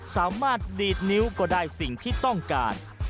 สามารถดีดนิ้วก็ได้สิ่งที่ต้องการ